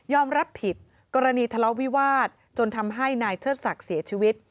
รับผิดกรณีทะเลาะวิวาสจนทำให้นายเชิดศักดิ์เสียชีวิต